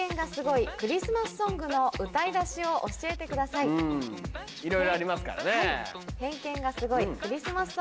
いろいろありますからね。